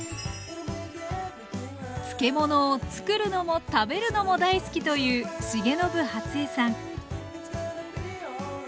漬物を作るのも食べるのも大好きという重信初江さん